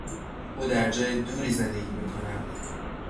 او در جای دوری زندگی میکند.